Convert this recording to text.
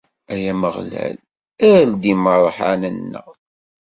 Ay Ameɣlal, err-d imeṛhan-nneɣ.